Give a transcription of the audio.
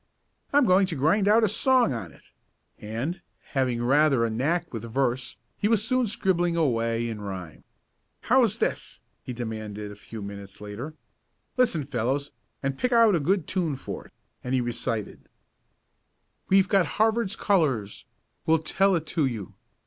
I'm going to grind out a song on it," and, having rather a knack with verse, he was soon scribbling away in rhyme. "How's this?" he demanded a few minutes later. "Listen fellows, and pick out a good tune for it," and he recited: "We've got Harvard's colors, We'll tell it to you.